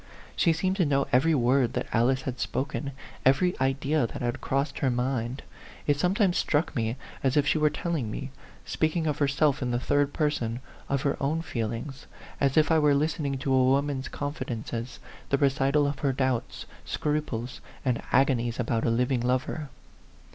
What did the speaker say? She seemed to know every word that Alice had spoken, every idea that had crossed her mind. It sometimes struck me as if she were telling me, speaking of her self in the third person, of her own feelings as if I were listening to a woman's con fidences, the recital of her doubts, scruples, and agonies about a living lover.